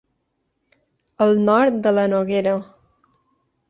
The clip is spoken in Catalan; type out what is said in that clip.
Al nord de la Noguera.